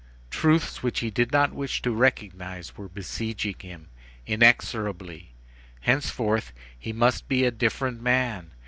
Truths which he did not wish to recognize were besieging him, inexorably. Henceforth, he must be a different man.